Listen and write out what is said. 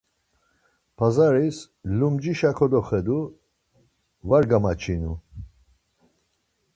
Pazaris lumcişa kodoxedu, var gamaçinu.